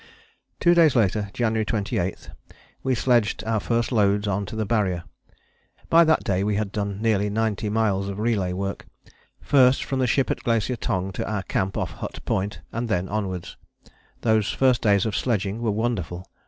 Two days later, January 28, we sledged our first loads on to the Barrier. By that day we had done nearly ninety miles of relay work, first from the ship at Glacier Tongue to our camp off Hut Point, and then onwards. Those first days of sledging were wonderful!